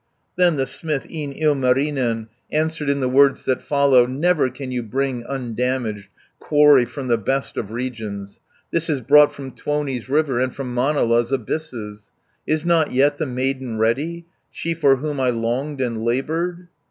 Then the smith, e'en Ilmarinen, Answered in the words that follow: "Never can you bring, undamaged, Quarry from the best of regions. 340 This is brought from Tuoni's river, And from Manala's abysses. Is not yet the maiden ready, She for whom I longed and laboured?"